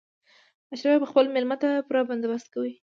اشرافي به خپل مېلمه ته پوره بندوبست کاوه.